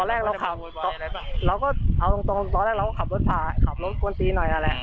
แรกเราขับเราก็เอาตรงตอนแรกเราก็ขับรถฝ่าขับรถกวนตีหน่อยนั่นแหละ